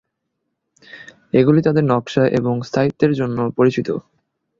এগুলি তাদের নকশা এবং স্থায়িত্বের জন্য পরিচিত।